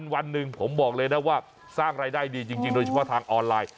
วันหนึ่งผมบอกเลยนะว่าสร้างรายได้ดีจริงโดยเฉพาะทางออนไลน์